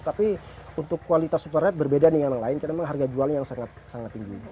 tapi untuk kualitas super red berbeda dengan yang lain karena memang harga jualnya yang sangat tinggi